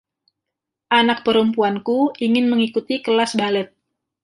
Anak perempuanku ingin mengikuti kelas balet.